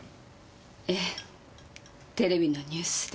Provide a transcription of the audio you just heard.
ええテレビのニュースで。